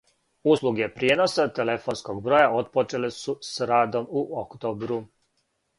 Услуге пријеноса телефонског броја отпочеле су с радом у октобру.